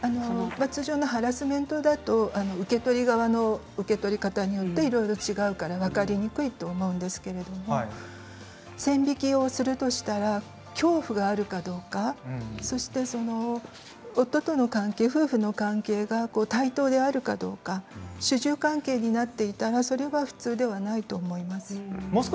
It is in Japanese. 通常のハラスメントだと受け取り側の受け取り方によっていろいろ違うから分かりにくいと思うんですけど線引きをするとしたら恐怖があるかどうかそして夫との関係夫婦の関係が対等であるかとか主従関係になっていたらそれは普通ではないと思います。